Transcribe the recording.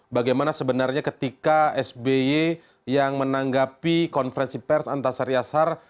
bagaimana sebenarnya ketika sby yang menanggapi konferensi pers antasari azhar